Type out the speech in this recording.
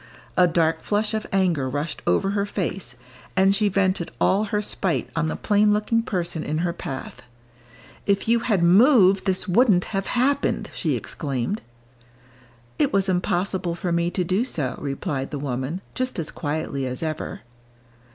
A dark flush of anger rushed over her face, and she vented all her spite on the plain looking person in her path. "If you had moved, this wouldn't have happened!" she exclaimed. "It was impossible for me to do so," replied the woman, just as quietly as ever.